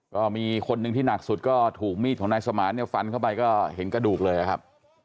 ก็มีคนหนึ่งที่หนักสุดก็ถูกมีดของนายสมานเนี่ยฟันเข้าไปก็เห็นกระดูกเลยนะครับ